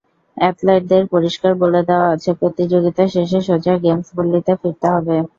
অ্যাথলেটদের পরিষ্কার বলে দেওয়া আছে, প্রতিযোগিতা শেষে সোজা গেমস পল্লিতে ফিরতে হবে।